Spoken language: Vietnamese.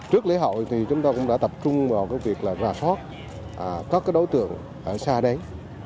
trước lễ hội thì chúng ta cũng đã tập trung vào cái việc là rà sót các đối tượng ở xa đấy